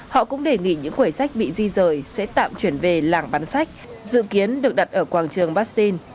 họ cũng đề nghị những quầy sách bị di rời sẽ tạm chuyển về làng bán sách dự kiến được đặt ở quảng trường bastin